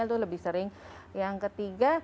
itu lebih sering yang ketiga